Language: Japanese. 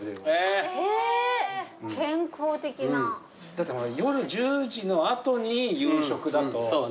だってほら夜１０時の後に夕食だと。